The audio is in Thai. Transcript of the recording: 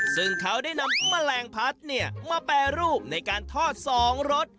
ซึ่งเขาได้นำแมลงพัดมาแปรรูปในการทอด๒รส